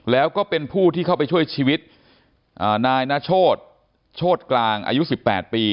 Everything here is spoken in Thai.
แล้วก็เป็นผู้ที่เข้าไปช่วยชีวิตนายนาโชธโชธกลางอายุ๑๘ปี